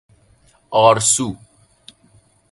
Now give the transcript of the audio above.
آرسو